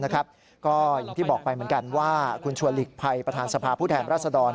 ก็อย่างที่บอกไปเหมือนกันว่าคุณชวนหลีกภัยประธานสภาพผู้แทนรัศดร